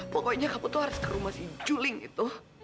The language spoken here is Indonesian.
pokoknya aku tuh harus ke rumah si juling itu